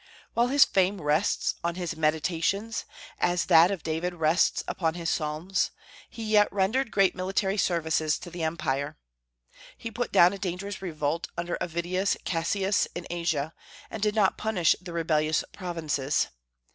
While his fame rests on his "Meditations," as that of David rests upon his Psalms, he yet rendered great military services to the Empire. He put down a dangerous revolt under Avidius Cassius in Asia, and did not punish the rebellious provinces.